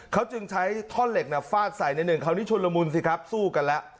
เขาจึงใช้ท่อนเหล็กฟาดใส่ในหนึ่งคราวนี้ชุดละมุนสิครับสู้กันแล้ว